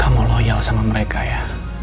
kamu loyal sama mereka ya